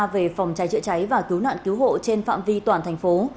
về phòng cháy chữa cháy và cứu nạn cứu hộ trên phạm vi toàn thành phố